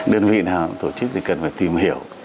đơn vị nào tổ chức thì cần phải tìm hiểu